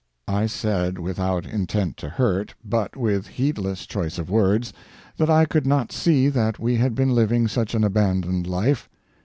I said, without intent to hurt, but with heedless choice of words, that I could not see that we had been living such an abandoned life.